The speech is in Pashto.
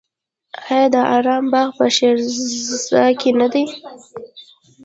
آیا د ارم باغ په شیراز کې نه دی؟